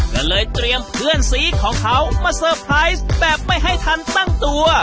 ก็เลยเตรียมเพื่อนสีของเขามาเซอร์ไพรส์แบบไม่ให้ทันตั้งตัว